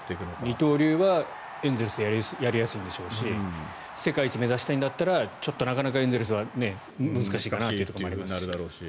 二刀流はエンゼルスがやりやすいんでしょうし世界一を目指したいんだったらちょっとなかなかエンゼルスは難しいかなというふうになるだろうし。